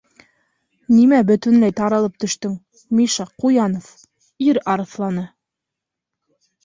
- Нимә бөтөнләй таралып төштөң, Миша Ҡуянов - ир арыҫланы?